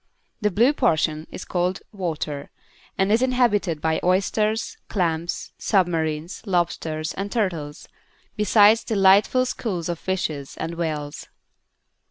The blue portion is called Water and is inhabited by oysters, clams, submarines, lobsters and turtles, besides delightful schools of fishes and whales.